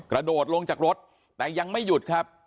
กระโดดลงจากรถแต่ยังไม่หยุดครับ